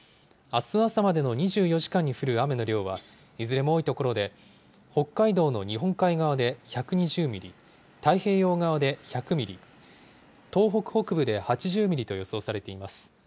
あす朝までの２４時間に降る雨の量は、いずれも多い所で、北海道の日本海側で１２０ミリ、太平洋側で１００ミリ、東北北部で８０ミリと予想されています。